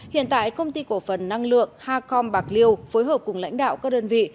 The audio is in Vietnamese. hiện tại công ty cổ phần năng lượng hacom bạc liêu phối hợp cùng lãnh đạo các đơn vị